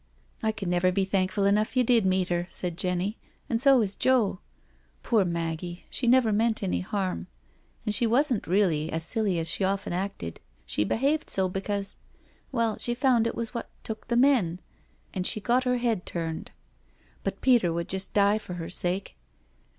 " I can never be thankful enough you did meet her,'* said Jenny, " and so is Joe. Poor Maggie, she never meant any harm— and she wasn't really as silly as she often acted, she behaved so because — ^well, she found it was what took the men — ^and she got her head turned. ... But Peter would just die for her sake."